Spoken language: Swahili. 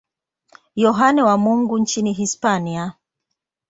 Yohane wa Mungu nchini Hispania.